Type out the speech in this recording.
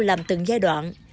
làm từng giai đoạn